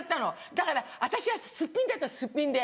だから私はすっぴんでやったのすっぴんで。